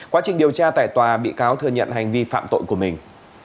quá trình điều tra tại tòa bị cáo thừa nhận hành vi phạm tội của mình